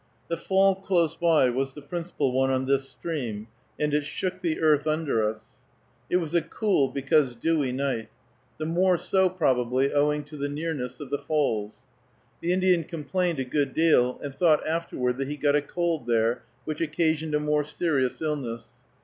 The fall close by was the principal one on this stream, and it shook the earth under us. It was a cool, because dewy, night; the more so, probably, owing to the nearness of the falls. The Indian complained a good deal, and thought afterward that he got a cold there which occasioned a more serious illness.